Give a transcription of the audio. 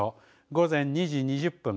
午前２時２０分。